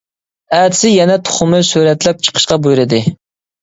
ئەتىسى يەنە تۇخۇمى سۈرەتلەپ چىقىشقا بۇيرۇدى.